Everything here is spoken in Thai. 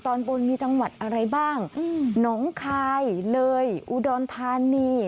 ตอนบนมีจังหวัดอะไรบ้างหนองคายเลยอุดรธานี